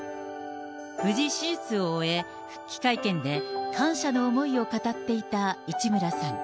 無事手術を終え、復帰会見で、感謝の思いを語っていた市村さん。